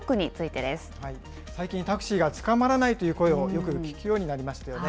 最近、タクシーがつかまらないという声をよく聞くようになりましたよね。